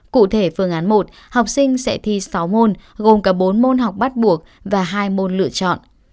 cụ thể phương án một học sinh sẽ thi sáu môn gồm cả bốn môn học bắt buộc và hai môn lựa chọn